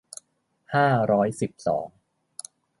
ห้าร้อยสิบสอง